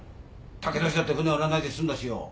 剛利だって船売らないで済んだしよ。